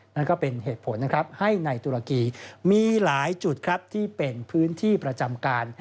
นั่นก็เป็นเหตุผลนะครับให้ในตุรกีมีหลายจุดครับที่เป็นพื้นที่ประจำการ